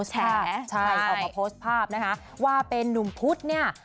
ใครออกมาโพสต์ภาพนะคะว่าเป็นนุ่มพุธเนี่ย